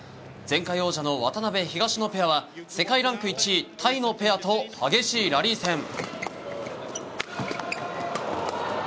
前回王者の渡辺、東野ペアは世界ランク１位タイのペアと激しいラリー戦。